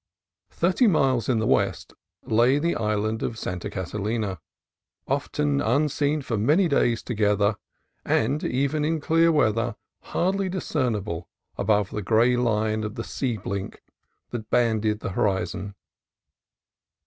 Thirty miles in the west lay the island of Santa Catalina, often unseen for many days together, and even in clear weather hardly discernible above the gray line of the sea blink that banded the horizon.